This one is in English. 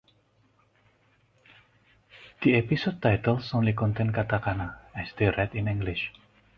The episode titles only contain katakana, as they are read in English.